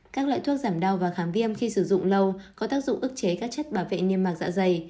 các loại thuốc giảm đau và kháng viêm khi sử dụng lâu có tác dụng ước chế các chất bảo vệ niêm mạc dạ dày